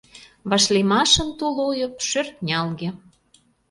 Вашлиймашын тул ойып — шӧртнялге.